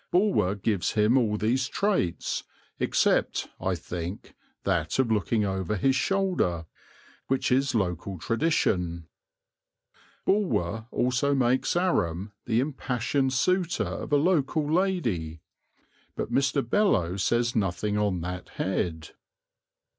Bulwer gives him all these traits, except (I think) that of looking over his shoulder, which is local tradition. Bulwer also makes Aram the impassioned suitor of a local lady; but Mr. Beloe says nothing on that head.